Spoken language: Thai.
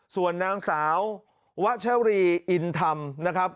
ส่วนนางสาววัชรีอินธรรมนะครับ